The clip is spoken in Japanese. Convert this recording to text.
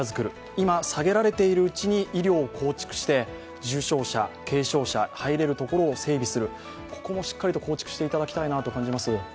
今、下げられてるうちに医療を構築して重症者、軽症者、入れる所を整備する、ここもしっかりと構築していただきたいと感じます。